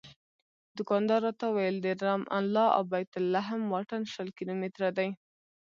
دوکاندار راته وویل د رام الله او بیت لحم واټن شل کیلومتره دی.